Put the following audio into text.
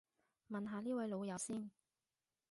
問下呢位老友先